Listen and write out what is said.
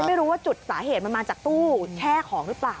ไม่รู้ว่าจุดสาเหตุมันมาจากตู้แช่ของหรือเปล่า